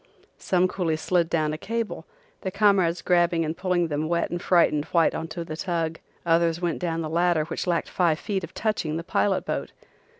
Some coolies slid down a cable, their comrades grabbing and pulling them wet and frightened white on to the tug. Others went down the ladder which lacked five feet of touching the pilot boat.